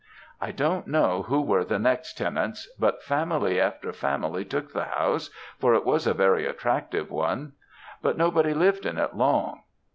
"I don't know who were the next tenants, but family after family took the house, for it was a very attractive one, but nobody lived in it long.